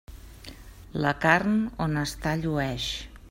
La carn, on està, llueix.